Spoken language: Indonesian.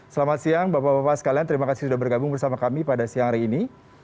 selamat siang bapak bapak sekalian terima kasih sudah bergabung bersama kami pada siang hari ini